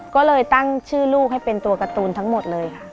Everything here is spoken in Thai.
ก็เลยตั้งชื่อลูกให้เป็นตัวการ์ตูนทั้งหมดเลยค่ะ